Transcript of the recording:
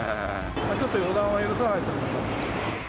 ちょっと予断を許さないと思います。